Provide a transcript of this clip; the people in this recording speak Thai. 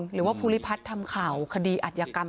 หรือว่าภูริพัฒน์ทำข่าวคดีอัธยกรรม